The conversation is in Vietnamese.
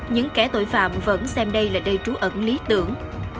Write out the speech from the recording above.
những kẻ tội phạm vẫn xem đây là nơi trú ẩn lý tưởng